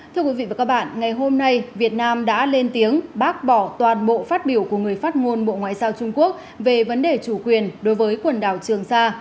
thưa quý vị và các bạn ngày hôm nay việt nam đã lên tiếng bác bỏ toàn bộ phát biểu của người phát ngôn bộ ngoại giao trung quốc về vấn đề chủ quyền đối với quần đảo trường sa